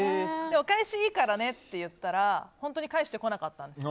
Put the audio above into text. お返しいいからねって言ったら本当に返してこなかったんです。